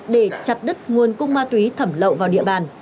để chặt đứt nguồn cung ma túy thẩm lậu vào địa bàn